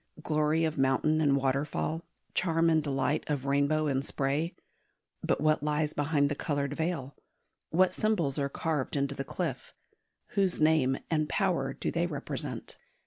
Glory of mountain and waterfall, charm and delight of rainbow in spray; but what lies behind the coloured veil? What symbols are carved into the cliff? Whose name and power do they represent?